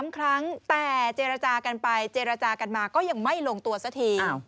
๓ครั้งแต่เจรจากันไปเจรจากันมาก็ยังไม่ลงตัวสักที